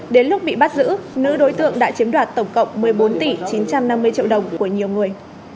đến lúc bị bắt giữ nữ đối tượng đã chiếm đoạt tổng cộng một mươi bốn tỷ chín trăm năm mươi triệu đồng của nhiều người